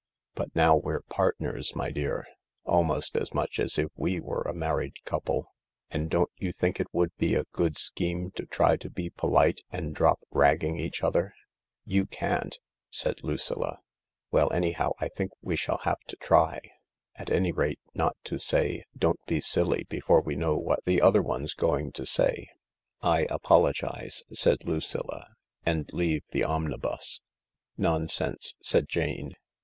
But now we're partners, my dear ; almost as much as if we were a married couple. 38 THE LARK And don't you think it would be a good scheme to try to be polite, and drop ragging each other ?" "You can't," said Lucilla. " Well, anyhow, I think we shall have to try ; at any rate, not to say, ' Don't be silly ' before we know what the other one's going to say." " I apologise," said Lucilla, " and leave the omnibus," " Nonsense," said Jane.